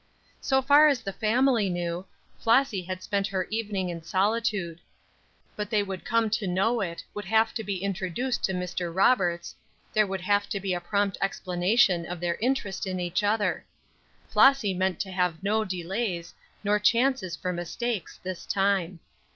So far as the family knew, Flossy had spent her evening in solitude. But they would come to know it; would have to be introduced to Mr. Roberts; there would have to be a prompt explanation of their interest in each other. Flossy meant to have no delays, nor chances for mistakes, this time.